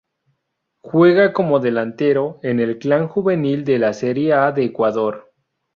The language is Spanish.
Juega como delantero en el Clan Juvenil de la Serie A de Ecuador.